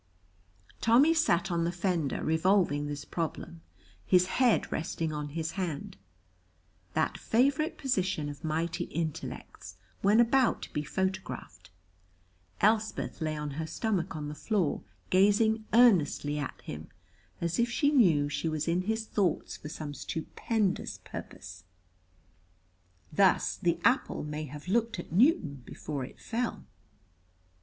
Tommy sat on the fender revolving this problem, his head resting on his hand: that favorite position of mighty intellects when about to be photographed, Elspeth lay on her stomach on the floor, gazing earnestly at him, as if she knew she was in his thoughts for some stupendous purpose. Thus the apple may have looked at Newton before it fell.